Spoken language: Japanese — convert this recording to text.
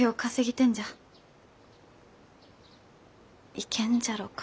いけんじゃろうか。